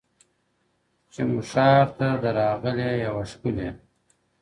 چي مو ښارته ده راغلې یوه ښکلې-